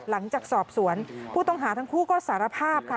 หลังจากสอบสวนผู้ต้องหาทั้งคู่ก็สารภาพค่ะ